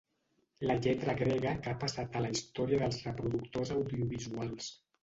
La lletra grega que ha passat a la història dels reproductors audiovisuals.